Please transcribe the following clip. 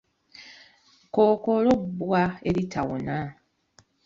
Kkookolo bbwa eritawona.